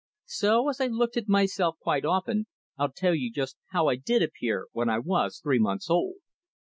So, as I looked at myself quite often, I'll tell you just how I did appear when I was three months old.